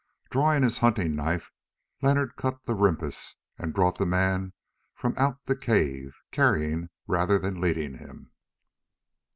Drawing his hunting knife Leonard cut the rimpis and brought the man from out the cave, carrying rather than leading him.